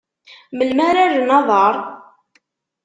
Melmi ara rren aḍar?